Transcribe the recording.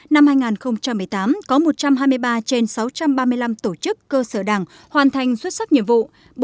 năm hai nghìn một mươi tám có một trăm hai mươi ba trên sáu trăm ba mươi năm tổ chức cơ sở đảng hoàn thành xuất sắc nhiệm vụ